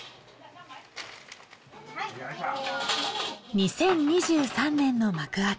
２０２３年の幕開け。